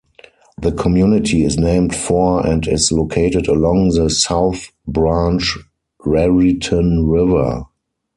The community is named for and is located along the South Branch Raritan River.